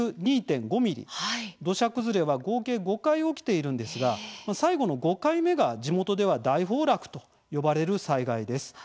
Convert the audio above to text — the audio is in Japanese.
土砂崩れは合計５回起きているんですが最後の５回目が地元では大崩落と呼ばれる災害です。